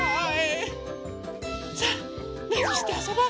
さあなにしてあそぼう。